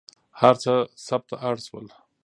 هر څه ثبت ته اړ شول.